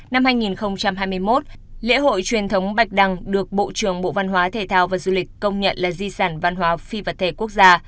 năm hai nghìn hai mươi một lễ hội truyền thống bạch đăng được bộ trưởng bộ văn hóa thể thao và du lịch công nhận là di sản văn hóa phi vật thể quốc gia